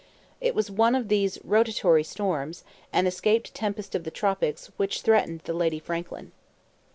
It was one of these rotatory storms, an escaped tempest of the tropics, which threatened the Lady Franklin.